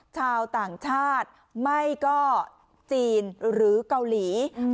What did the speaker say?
ชาวต่างชาติไม่ก็จีนหรือเกาหลี